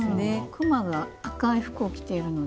クマが赤い服を着ているので。